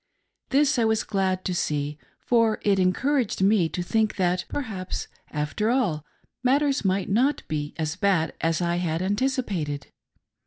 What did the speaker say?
This I was glad to see, for it encouraged me to think that, perhaps, after all, matters might not be so bad as I had anticipated.